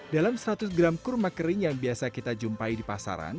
dalam seratus gram kurma kering yang biasa kita jumpai di pasaran